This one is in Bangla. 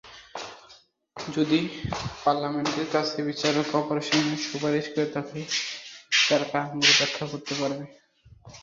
যদি পার্লামেন্টের কাছে বিচারক অপসারণের সুপারিশ করে, তাহলে তারা কারণগুলোও ব্যাখ্যা করবে।